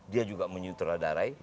dia juga menyutradarai